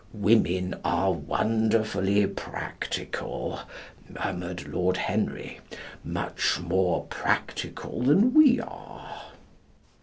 "Women are wonderfully practical," murmured Lord Henry, "much more practical than we are....